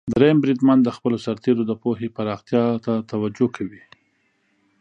دریم بریدمن د خپلو سرتیرو د پوهې پراختیا ته توجه کوي.